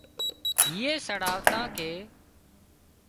هيئي سڙاواتان ڪي